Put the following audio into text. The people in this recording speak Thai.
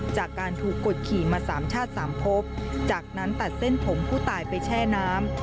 จากการถูกกดขี่มาสามชาติสามพบจากนั้นตัดเส้นผมผู้ตายไปแช่น้ำ